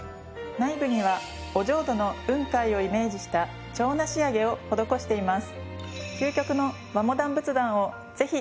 内部にはお浄土の雲海をイメージしたちょうな仕上げを施しています。